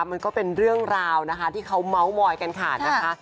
มันก็เป็นเรื่องราวนะคะที่เขาเมาส์มอยกันค่ะนะคะ